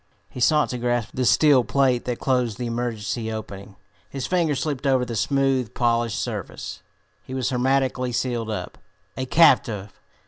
He sought to grasp the steel plate that closed the emergency opening. His fingers slipped over the smooth, polished surface. He was hermetically sealed up a captive!